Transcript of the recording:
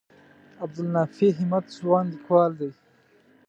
عبدالنافع همت ځوان لیکوال دی.